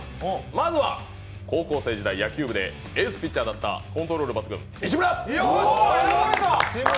まずは、高校生時代野球部でエースピッチャーだったコントロール抜群、西村！